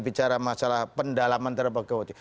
bicara masalah pendalaman terobosan